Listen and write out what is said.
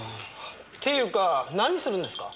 っていうか何するんですか？